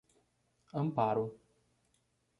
Amparo